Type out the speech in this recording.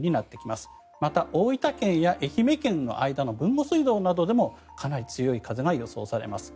また、大分県や愛媛県の間の豊後水道などでもかなり強い風が予想されます。